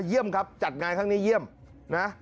เยี่ยมครับจัดงานครั้งนี้เยี่ยมนะ